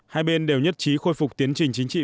hai bên đều nhất trí khôi phục tiến trình chính trị